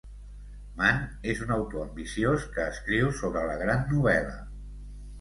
Man és un autor ambiciós, que escriu sobre La Gran Novel·la.